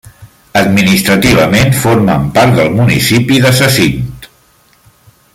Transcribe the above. Administrativament formen part del municipi de Zacint.